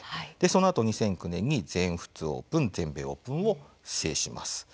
そのあと２００９年に全仏オープン全米オープンを制します。